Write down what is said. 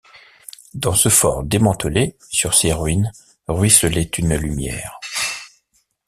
Dans ce fort démantelé, sur ces ruines ruisselait une lumière.